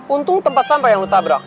untung tempat sampah yang lu tabrak